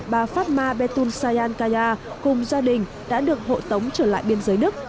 bà fatma betul sayankaya cùng gia đình đã được hội tống trở lại biên giới nước